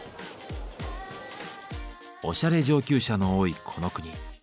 おしゃれ上級者の多いこの国。